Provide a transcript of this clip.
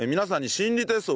心理テスト？